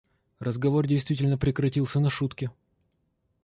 Разговор действительно прекратился на шутке.